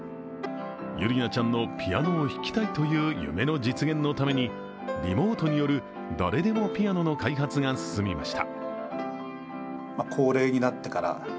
ゆりなちゃんのピアノを弾きたいという夢の実現のためにリモートによる、だれでもピアノの開発が進みました。